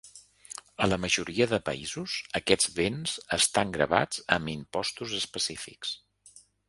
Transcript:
A la majoria de països, aquests béns estan gravats amb impostos específics.